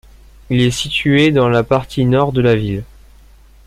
Il est situé dans la partie nord de la ville.